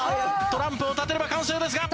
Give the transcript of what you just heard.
トランプを立てれば完成ですが。